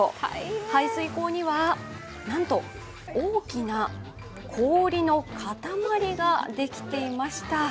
排水口には、なんと大きな氷の塊ができていました。